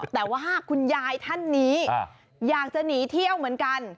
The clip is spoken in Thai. แต่ว่าคุณยายท่านนี้อยากจะหนีเที่ยวเหมือนกัน